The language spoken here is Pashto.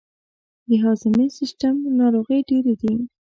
د هضمي سیستم ناروغۍ ډیرې دي.